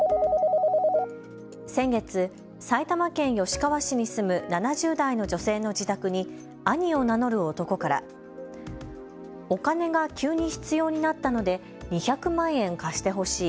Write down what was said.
先月、埼玉県吉川市に住む７０代の女性の自宅に兄を名乗る男からお金が急に必要になったので２００万円貸してほしい。